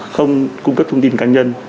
không cung cấp thông tin cá nhân